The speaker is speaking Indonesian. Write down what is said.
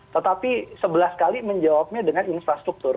tetapi sebelas kali menjawabnya dengan infrastruktur